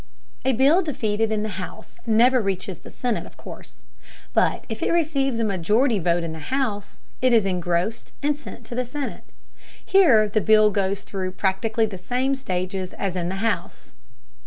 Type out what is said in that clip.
A bill defeated in the House never reaches the Senate, of course. But if it receives a majority vote in the House, it is engrossed and sent to the Senate. Here the bill goes through practically the same stages as in the House.